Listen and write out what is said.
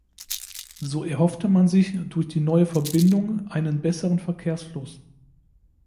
So erhoffte man sich durch die neue Verbindung einen besseren Verkehrsfluss.